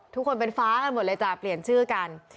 ทุกคนเป็นฟ้ากันหมดเลยจ้ะเปลี่ยนชื่อกัน